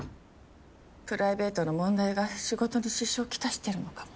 プライベートの問題が仕事に支障を来してるのかも。